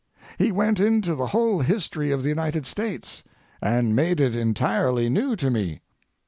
He went into the whole history of the United States, and made it entirely new to me.